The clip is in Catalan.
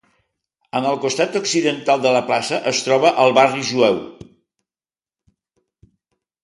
En el costat occidental de la plaça es troba el barri jueu.